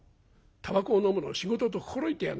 たばこをのむのを仕事と心得てやがんな」。